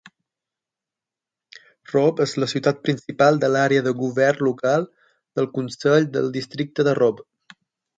Robe és la ciutat principal de l'àrea de govern local del consell de districte de Robe.